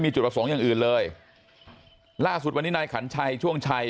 จุดประสงค์อย่างอื่นเลยล่าสุดวันนี้นายขันชัยช่วงชัย